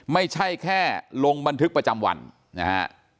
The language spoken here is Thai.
ไม่ใช่แค่ลงบันทึกประจำวันนะฮะ